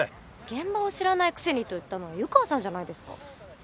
現場を知らないくせにと言ったのは湯川さんじゃないですか。